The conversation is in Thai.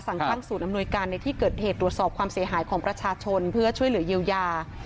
ตั้งศูนย์อำนวยการในที่เกิดเหตุตรวจสอบความเสียหายของประชาชนเพื่อช่วยเหลือเยียวยา